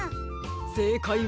せいかいは。